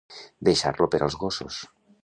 Deixar-lo per als gossos.